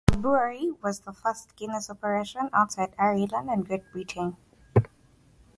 The brewery was the first Guinness operation outside Ireland and Great Britain.